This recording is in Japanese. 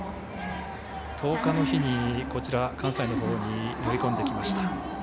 １０日の日に、関西のほうに乗り込んできました。